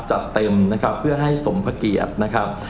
จัดเต็มนะครับเพื่อให้สมพระเกียรตินะครับ